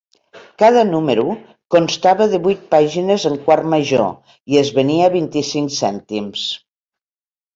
Cada número constava de vuit pàgines en quart major i es venia a vint-i-cinc cèntims.